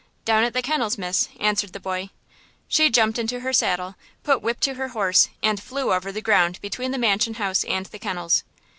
"Down at the kennels, miss," answered the boy. She jumped into her saddle, put whip to her horse and flew over the ground between the mansion house and the kennels.